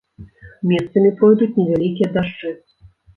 Месцамі пройдуць невялікія дажджы.